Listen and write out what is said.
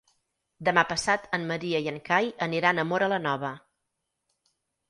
Demà passat en Maria i en Cai aniran a Móra la Nova.